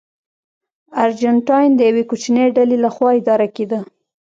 ارجنټاین د یوې کوچنۍ ډلې لخوا اداره کېده.